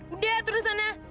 udah turun sana